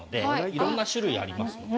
いろんな種類あります。